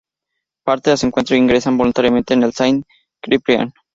Parten a su encuentro e ingresan voluntariamente en el de Saint-Cyprien.